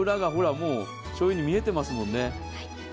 もう、しょうゆに見えてますもんね。